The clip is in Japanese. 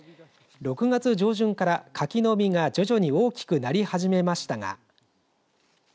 ６月上旬から柿の実が徐々に大きくなり始めましたが。